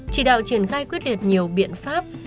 chỉ đạo triển khai quyết liệt nhiều biện pháp